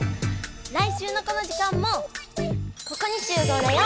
来週のこの時間もここにしゅう合だよ！